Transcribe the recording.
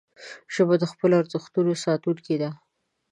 ژبه د خپلو ارزښتونو ساتونکې ده